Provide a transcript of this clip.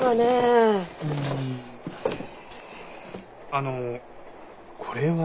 あのこれは？